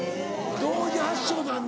同時発祥なんだ。